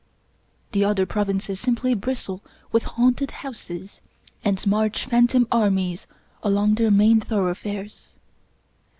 The older Provinces simply bristle with haunted houses, and march phantom armies along their main thoroughfares.